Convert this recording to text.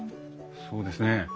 そうですね。